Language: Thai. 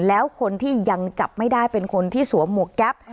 แล้วคนที่ยังจับไม่ได้เป็นคนที่สวมหมวกแก๊ป